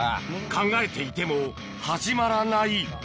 考えていても始まらない